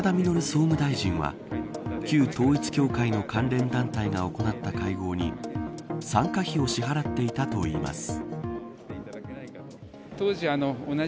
総務大臣は旧統一教会の関連団体が行った会合に参加費を支払っていたといいます。